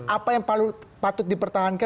apa yang patut dipertahankan